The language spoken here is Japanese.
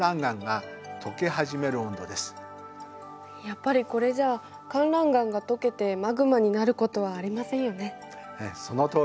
やっぱりこれじゃあかんらん岩がとけてマグマになることはありませんよね。